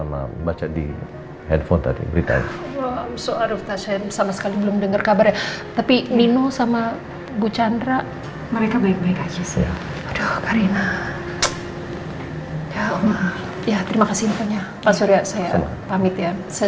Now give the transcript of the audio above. mama kepikiran aja lagi pulangkan di rumah cuma ada mirna